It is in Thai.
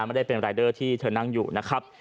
ไม่ได้เป็นรายเดอร์ที่เธอนั่งอยู่นะครับ